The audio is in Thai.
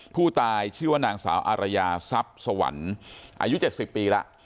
ผู้ตายชื่อว่านางสาวอารยาซับสวรรค์อายุเจ็ดสิบปีละ